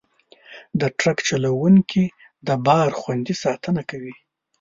د ټرک چلوونکي د بار خوندي ساتنه کوي.